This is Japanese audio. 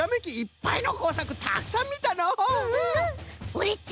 オレっち